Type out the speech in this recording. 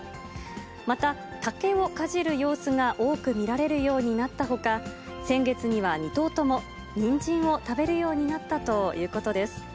また竹をかじる様子が多く見られるようになったほか、先月には２頭ともにんじんを食べるようになったということです。